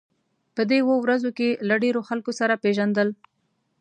په دې اوو ورځو کې له ډېرو خلکو سره پېژندل.